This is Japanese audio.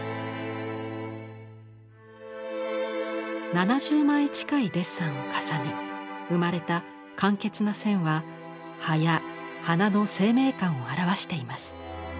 ７０枚近いデッサンを重ね生まれた簡潔な線は葉や花の生命感を表しています。